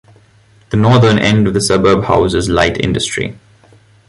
The northern end of the suburb houses light industry.